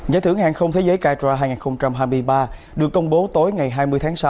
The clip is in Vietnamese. giải thưởng hàng không thế giới ca trra hai nghìn hai mươi ba được công bố tối ngày hai mươi tháng sáu